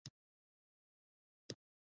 د بودیجې کسر څنګه پوره کیږي؟